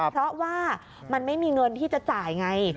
เพราะว่ามันไม่มีเงินที่จะจ่ายไง